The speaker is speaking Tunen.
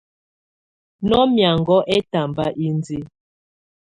Nɔ mɛ̀áŋɔ ɛtambá índiǝ́.